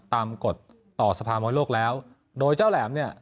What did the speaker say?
กฎต่อสภามวยโลกแล้วโดยเจ้าแหลมเนี่ย